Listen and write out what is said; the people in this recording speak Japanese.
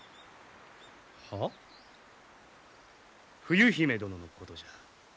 冬姫殿のことじゃ。